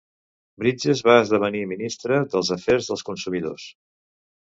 Bridges va esdevenir Ministre dels Afers dels Consumidors.